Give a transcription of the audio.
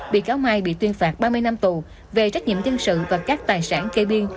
bị cáo mai bị tuyên phạt ba mươi năm tù về trách nhiệm dân sự và các tài sản kê biên